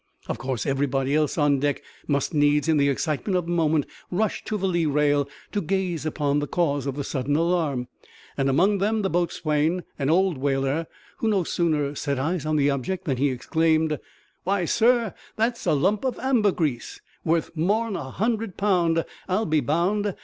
Of course everybody else on deck must needs, in the excitement of the moment, rush to the lee rail, to gaze upon the cause of the sudden alarm; and, among them, the boatswain, an old whaler, who no sooner set eyes on the object than he exclaimed "Why, sir, that's a lump of ambergrease, worth more'n a hundred pound, I'll be bound.